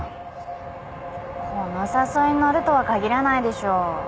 この誘いに乗るとは限らないでしょう。